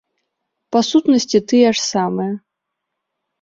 Па сутнасці, тыя ж самыя.